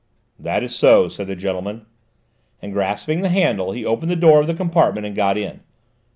"That is so," said the gentleman, and grasping the handle he opened the door of the compartment and got in.